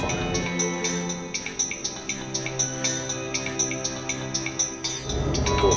tuh memang benar ulfa